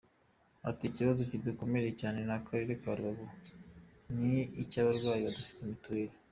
Ati “Ikibazo kidukomereye cyane mu karere ka Rubavu ni icy’abarwayi badafite mituweli.